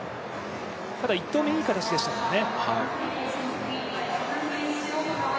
ただ、１投目いい形でしたからね。